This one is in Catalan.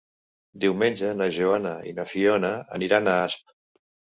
Diumenge na Joana i na Fiona aniran a Asp.